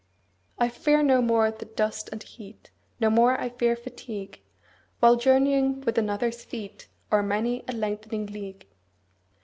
I fear no more the dust and heat, 25 No more I fear fatigue, While journeying with another's feet O'er many a lengthening league.